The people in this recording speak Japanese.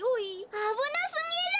あぶなすぎる！